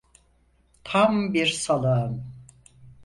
Tam bir salağım.